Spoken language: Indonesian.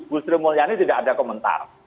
busri mulyani tidak ada komentar